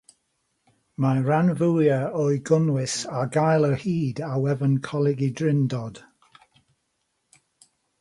Mae'r rhan fwyaf o'i gynnwys ar gael o hyd ar wefan Coleg y Drindod.